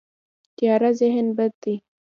تیاره ذهن بد دی.